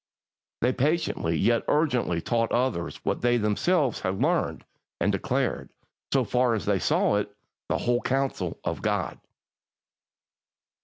3. They patiently yet urgently taught others what they themselves had learned, and declared, so far as they saw it, the whole counsel of God.